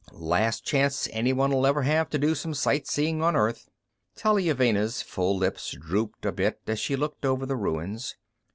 Last chance anyone'll ever have to do some sight seeing on Earth." Taliuvenna's full lips drooped a bit as she looked over the ruins.